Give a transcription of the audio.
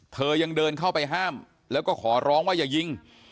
เธอยังเดินเข้าไปห้ามแล้วก็ขอร้องว่าอย่ายิง